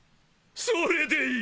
それでいい！